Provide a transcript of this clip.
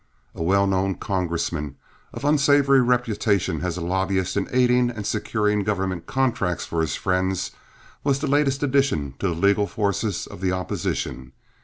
A well known congressman, of unsavory reputation as a lobbyist in aiding and securing government contracts for his friends, was the latest addition to the legal forces of the opposition.